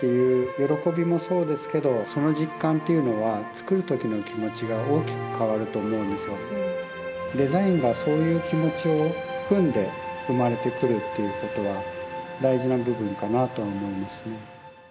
つくり手にとってもデザインがそういう気持ちを含んで生まれてくるっていうことは大事な部分かなとは思いますね。